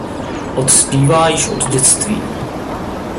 Ott zpívá již od dětství.